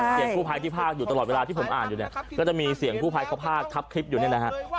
กู้ภัยที่พากอยู่ตลอดเวลาที่ผมอ่านอยู่เนี่ยก็จะมีเสียงกู้ภัยเขาพากทับคลิปอยู่เนี่ยนะฮะ